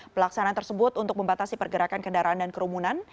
pelaksanaan tersebut untuk membatasi pergerakan kendaraan dan kerumunan